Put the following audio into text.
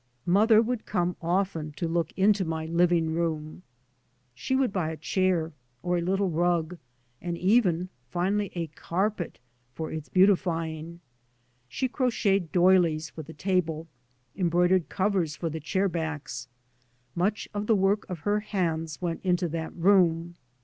Mother would come often to look into my living room. She would buy a chair or a little rug and even finally a carpet, for its beautifying. She crotcheted doilies for the table, embroidered covers for the chair backs ; much of the work of her hands went into that room.